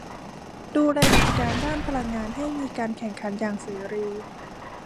ดูแลกิจการด้านพลังงานให้มีการแข่งขันอย่างเสรี